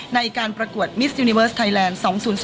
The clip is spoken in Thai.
ในการประกวดมิสยูนิเวิร์สไทยแลนด์๒๐๒